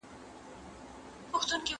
ښه شوه په دې سیمه یو جنګ پکار و